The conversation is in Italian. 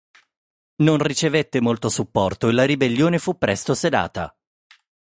Non ricevette molto supporto e la ribellione fu presto sedata.